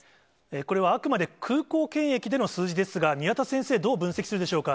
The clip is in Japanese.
これはあくまで空港検疫での数字ですが、宮田先生、どう分析するでしょうか。